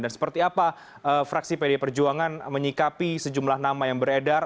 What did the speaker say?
dan seperti apa fraksi pdip perjuangan menyikapi sejumlah nama yang beredar